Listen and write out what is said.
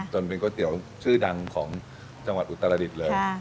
จนเป็นก๋วยเตี๋ยวชื่อดังของจังหวัดอุตรดิษฐ์เลย